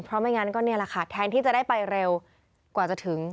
เพราะไม่งั้นก็นี่แหละค่ะแทนที่จะได้ไปเร็วกว่าจะถึง